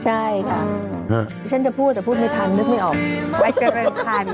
ใช่ค่ะฉันจะพูดแต่พูดไม่ทันนึกไม่ออกว่าวัยเจริญพันธุ์